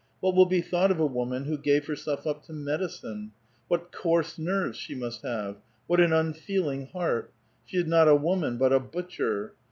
What will be thought of a won\pn who gave herself up to medicine? What coarse nerves she must have ! What an unfeeling heart ! She is not a woman, but a butcher.